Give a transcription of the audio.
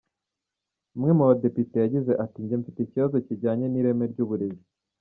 Umwe mu badepite yagize ati” njye mfite ikibazo kijyanye n’ireme ry’uburezi.